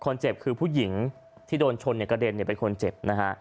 คนเจ็บคือผู้หญิงที่โดนชนกระเด็นเป็นคนเจ็บนะฮะ